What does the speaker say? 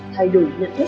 thay đổi nhận thức